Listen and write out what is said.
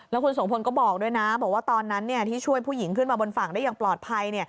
แล้วคุณโสพลก็บอกด้วยนะบอกว่าตอนนั้นที่ช่วยผู้หญิงขึ้นมาบนฝั่งได้อย่างปลอดภัย